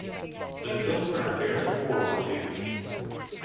The film earned very poor reviews.